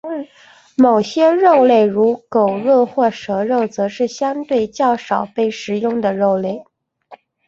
某些肉类如狗肉或蛇肉则是相对较少被食用的肉类。